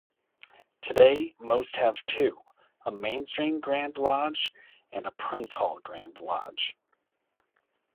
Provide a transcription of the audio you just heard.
Today, most have two: a "mainstream" Grand Lodge and a Prince Hall Grand Lodge.